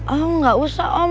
enggak usah om